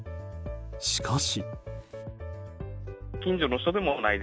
しかし。